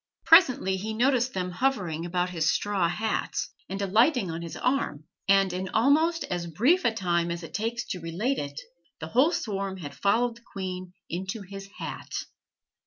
Presently he noticed them hovering about his straw hat, and alighting on his arm; and in almost as brief a time as it takes to relate it, the whole swarm had followed the queen into his hat.